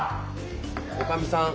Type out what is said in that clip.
おかみさん